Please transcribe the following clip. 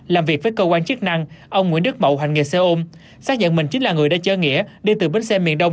làm việc với cơ quan chức năng ông nguyễn đức mậu hành nghề xe ôm xác nhận mình chính là người đã chở nghĩa đi từ bến xe miền đông